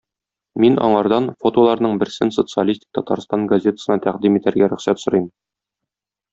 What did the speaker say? Мин аңардан фотоларның берсен "Социалистик Татарстан" газетасына тәкъдим итәргә рөхсәт сорыйм.